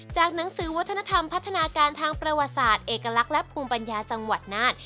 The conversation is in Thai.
หนังสือวัฒนธรรมพัฒนาการทางประวัติศาสตร์เอกลักษณ์และภูมิปัญญาจังหวัดน่าน